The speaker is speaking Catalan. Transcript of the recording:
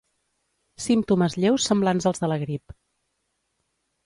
Símptomes lleus semblants als de la grip.